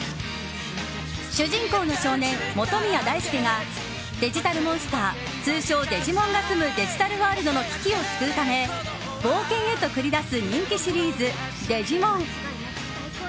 主人公の少年、本宮大輔がデジタルモンスター通称デジモンが住むデジタルワールドの危機を救うため冒険へと繰り出す人気シリーズ「デジモン」。